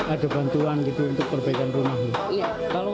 ada bantuan gitu untuk perbaikan rumahnya